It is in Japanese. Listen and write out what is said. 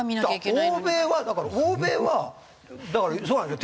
欧米はだから欧米はだからそうなんですよ。